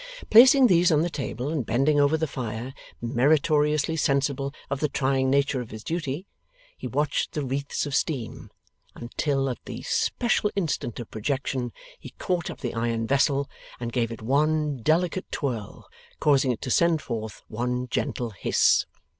Placing these on the table and bending over the fire, meritoriously sensible of the trying nature of his duty, he watched the wreaths of steam, until at the special instant of projection he caught up the iron vessel and gave it one delicate twirl, causing it to send forth one gentle hiss.